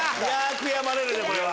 悔やまれるねこれは。